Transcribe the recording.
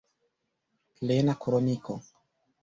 Plena kroniko.